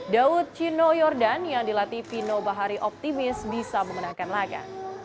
daud chino yordan yang dilatih pino bahari optimis bisa memenangkan laga